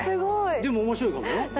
でも面白いかもよ。